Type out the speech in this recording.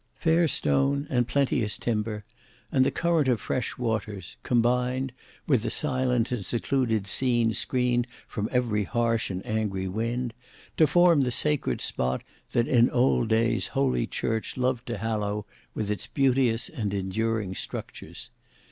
Fair stone and plenteous timber, and the current of fresh waters, combined, with the silent and secluded scene screened from every harsh and angry wind, to form the sacred spot that in old days Holy Church loved to hallow with its beauteous and enduring structures.